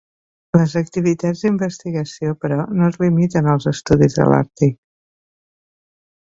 Les activitats d'investigació, però, no es limiten als estudis de l'Àrtic.